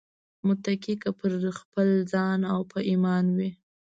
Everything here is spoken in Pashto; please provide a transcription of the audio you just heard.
متکي که پر خپل ځان او په ايمان وي